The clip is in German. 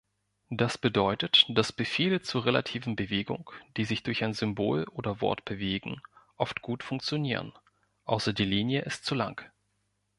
Das bedeutet, dass Befehle zur relativen Bewegung, die sich durch ein Symbol oder Wort bewegen, oft gut funktionieren, außer die Linie ist zu lang.